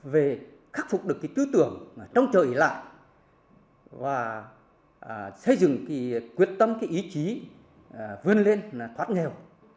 về khắc phục được cái tư tưởng trong trời lại và xây dựng cái quyết tâm cái ý chí vươn lên thoát nghèo